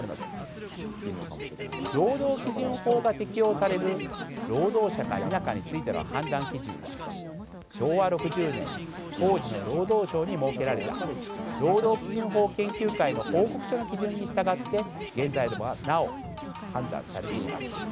労働基準法が適用される労働者か否かについての判断基準は昭和６０年に当時の労働省に設けられた労働基準法研究会の報告書の基準に従って現在でもなお判断されています。